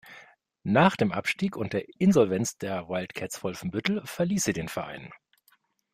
Nach dem Abstieg und der Insolvenz der Wildcats Wolfenbüttel verließ sie den Verein.